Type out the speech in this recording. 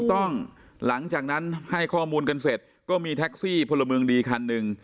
หลังจากนั้นให้ข้อมูลกันเสร็จก็มีแท็กซี่พลเมืองดีคันหนึ่ง